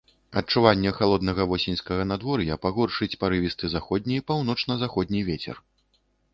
Адчуванне халоднага восеньскага надвор'я пагоршыць парывісты заходні, паўночна-заходні вецер.